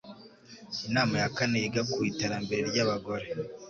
inama ya Kane yiga ku Iterambere ry'Abagore